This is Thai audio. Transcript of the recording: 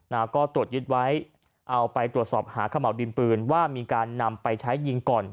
แล้วก็ตรวจยึดไว้เอาไปตรวจสอบหาขม่าวดินปืนว่ามีการนำไปใช้ยิงก่อน